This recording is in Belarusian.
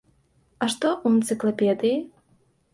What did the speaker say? А што ў энцыклапедыі?